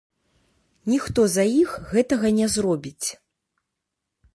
Ніхто за іх гэтага не зробіць.